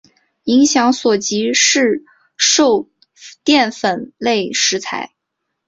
影响所及市售淀粉类食材。